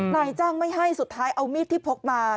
นายจ้างไม่ให้สุดท้ายเอามีดที่พกมา